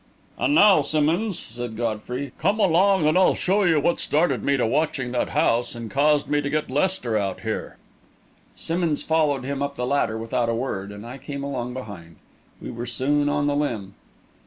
"And now, Simmonds," said Godfrey, "come along and I'll show you what started me to watching that house, and caused me to get Lester out here." Simmonds followed him up the ladder without a word, and I came along behind. We were soon on the limb.